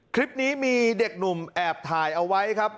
คลิปนี้มีเด็กหนุ่มแอบถ่ายเอาไว้ครับ